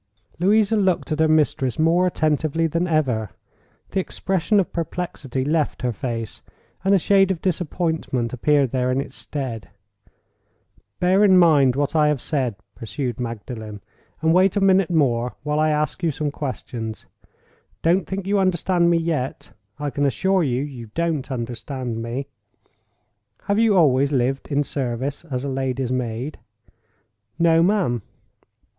Louisa looked at her mistress more attentively than ever. The expression of perplexity left her face, and a shade of disappointment appeared there in its stead. "Bear in mind what I have said," pursued Magdalen; "and wait a minute more, while I ask you some questions. Don't think you understand me yet—I can assure you, you don't understand me. Have you always lived in service as lady's maid?" "No, ma'am."